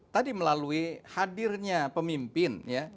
tadi melalui hadirnya pemimpin